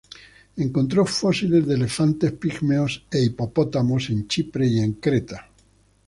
Encontró fósiles de elefantes pigmeos e hipopótamos en Chipre y en Creta.